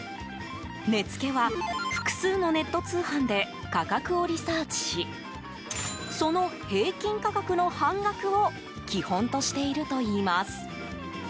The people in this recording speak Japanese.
値付けは、複数のネット通販で価格をリサーチしその平均価格の半額を基本としているといいます。